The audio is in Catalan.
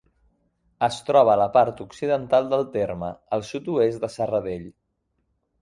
Es troba a la part occidental del terme, al sud-oest de Serradell.